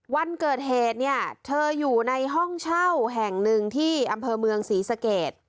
วันเกิดเหตุเนี่ยเธออยู่ในห้องเช่าแห่งหนึ่งที่อำเภอเมืองศรีสเกต